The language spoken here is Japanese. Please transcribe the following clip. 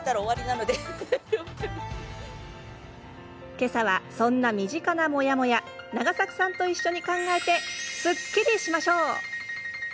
けさは、そんな身近なモヤモヤ永作さんと一緒に考えてすっきりしましょう。